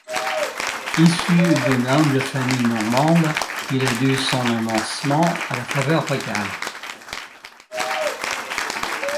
Issu d'une humble famille normande, il a dû son avancement à la faveur royale.